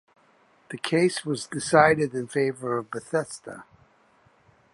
The case was decided in favor of Bethesda.